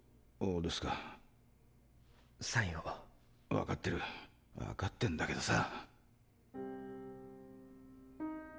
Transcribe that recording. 分かってる分かってんだけどさ。